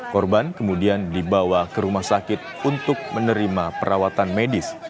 korban kemudian dibawa ke rumah sakit untuk menerima perawatan medis